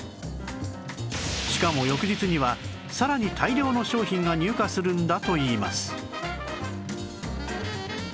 しかも翌日にはさらに大量の商品が入荷するんだといいます